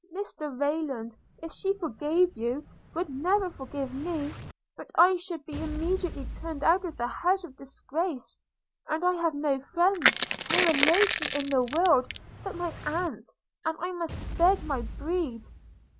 Mr Rayland, if she forgave you, would never forgive me; but I should be immediately turned out of the house with disgrace; and I have no friend, no relation in the world but my aunt, and must beg my bread.